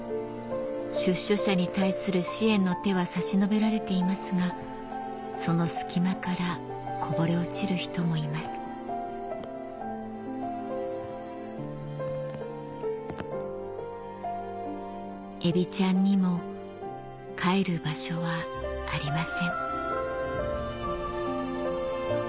出所者に対する支援の手は差し伸べてられていますがその隙間からこぼれ落ちる人もいますエビちゃんにも帰る場所はありません